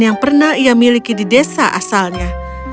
yang pernah ia miliki di desa asalnya